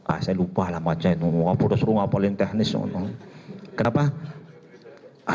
ah saya lupa lah macam itu kenapa